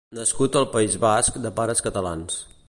Nascut al País Basc de pares catalans.